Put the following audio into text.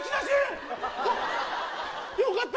よかった！